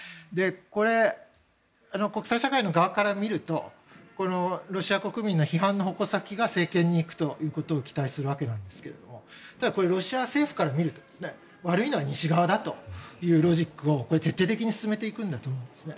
これ、国際社会の側から見るとロシア国民の批判の矛先が政権に行くということを期待するわけですけどもロシア政府から見ると悪いのは西側だというロジックを徹底的に進めていくんだと思いますね。